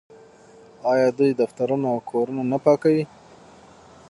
آیا دوی دفترونه او کورونه نه پاکوي؟